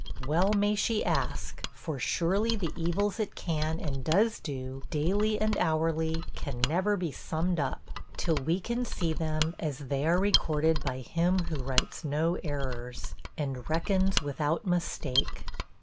Well may she ask, for surely the evils it can and does do, daily and hourly, can never be summed up, till we can see them as they are recorded by him who writes no errors, and reckons without mistake.